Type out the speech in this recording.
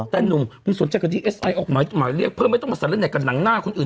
แต่หนุ่มมันสนใจกับดีเอสไอออกหมายเรียกเพิ่มไม่ต้องมาใส่เล่นไหนกับหนังหน้าคนอื่น